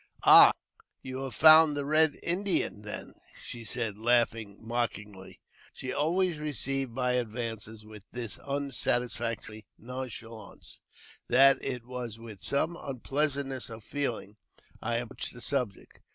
" Ah, you have found the red handed Indian, then," she said, laughing mockingly. ■ She always received my advances with this unsatisfactory \ nonchalance, that it was with some unpleasantness of feeUng I I approached the subject.